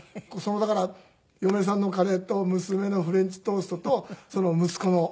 だから嫁さんのカレーと娘のフレンチトーストと息子の。